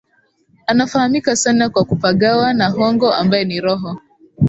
Anafahamika sana kwa kupagawa na Hongo ambaye ni roho